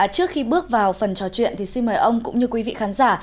trước khi bước vào phần trò chuyện thì xin mời ông cũng như quý vị khán giả